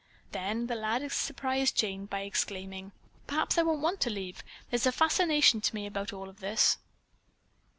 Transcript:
Then the lad surprised Jane by exclaiming: "Perhaps I won't want to leave. There's a fascination to me about all this."